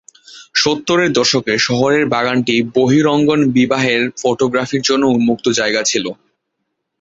সত্তরের দশকে, শহরের বাগানটি বহিরঙ্গন বিবাহের ফটোগ্রাফির জন্য উপযুক্ত জায়গা ছিল।